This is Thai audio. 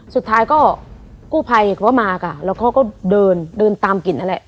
สุดท้ายก็กู้ภัยเขาก็มาค่ะแล้วเขาก็เดินเดินตามกลิ่นนั่นแหละ